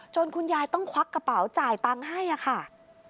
คุณยายต้องควักกระเป๋าจ่ายตังค์ให้ค่ะ